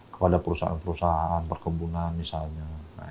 kepada perusahaan perusahaan perkebunan misalnya